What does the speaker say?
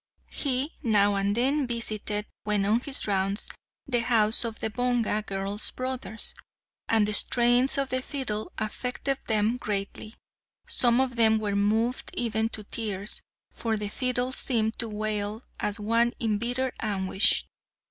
He now and then visited, when on his rounds, the house of the Bonga girl's brothers, and the strains of the fiddle affected them greatly. Some of them were moved even to tears, for the fiddle seemed to wail as one in bitter anguish.